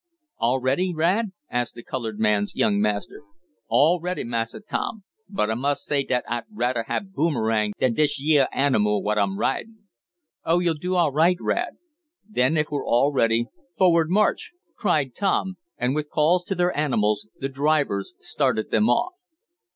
"All ready, Rad?" asked the colored man's young master. "All ready, Massa Tom. But I mus' say dat I'd radder hab Boomerang dan dish yeah animal what I'm ridin'." "Oh, you'll do all right, Rad. Then, if we're all ready, forward march!" cried Tom, and with calls to their animals, the drivers started them off.